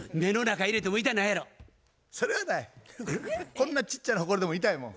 こんなちっちゃなホコリでも痛いもん。